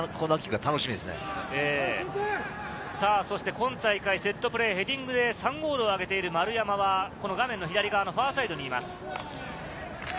そして今大会セットプレー、ヘディングで３ゴールを挙げている丸山は、画面の左側のファーサイドにいます。